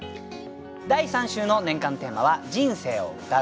第３週の年間テーマは「人生を詠う」。